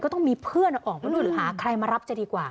ก็ต้องมีเพื่อนออกมาดูหาใครมารับจะดีกว่า